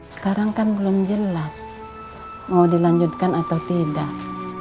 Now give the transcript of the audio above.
sekarang kan belum jelas mau dilanjutkan atau tidak